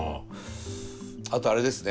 あとあれですね